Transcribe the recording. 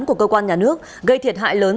của cơ quan nhà nước gây thiệt hại lớn